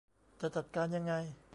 จะจัดการยังไง